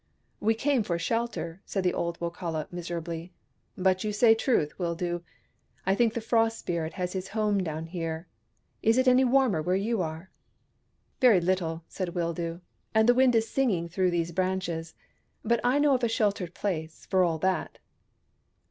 " We came for shelter," said the old Wokala miserably. " But you say truth, Wildoo : I think the Frost Spirit has his home down here. Is it any warmer where you are ?"" Very little," said Wildoo —" and the wind is singing through these branches. But I know of a sheltered place, for all that."